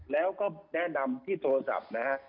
แล้วก็แนะนำที่โทรศัพท์นะฮะ